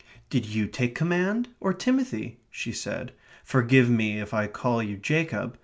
"Did you take command, or Timothy?" she said. "Forgive me if I call you Jacob.